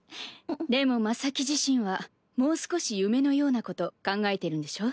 でも真咲自身はもう少し夢のようなこと考えてるんでしょ？